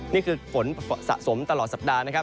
นี่คือฝนต่อสะสมตลอดสัปดาห์